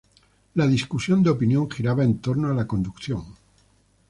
La discusión de opinión giraba en torno a la conducción.